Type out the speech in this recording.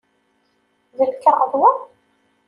D lkaɣeḍ wa?